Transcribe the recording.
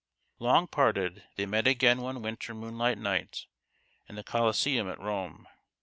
Long parted, they met again one winter moonlight night in the Coliseum at Rome.